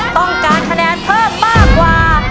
ต้องการคะแนนเพิ่มมากกว่า